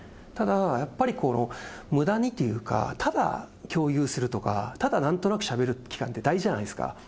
ただ、やっぱりむだにというか、ただ共有するとか、ただなんとなくしゃべる機会って大事じゃないですか。